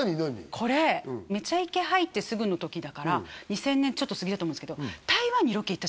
これめちゃイケ入ってすぐの時だから２０００年ちょっと過ぎだと思うんですけど